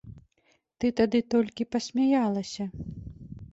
Ты тады толькі пасмяялася.